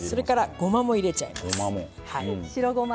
ごまも入れちゃいます。